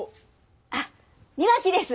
あっ庭木です。